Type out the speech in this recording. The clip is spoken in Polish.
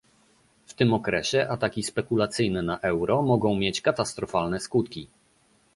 W tym okresie ataki spekulacyjne na euro mogą mieć katastrofalne skutki